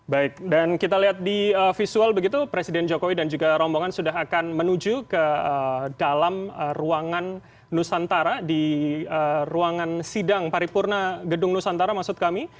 baik dan kita lihat di visual begitu presiden jokowi dan juga rombongan sudah akan menuju ke dalam ruangan nusantara di ruangan sidang paripurna gedung nusantara maksud kami